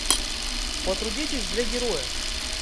Потрудитесь для героя!